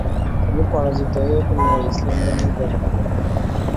তিনি পরাজিত হয়ে পুনরায় ইসলাম ধর্ম গ্রহণ করেন।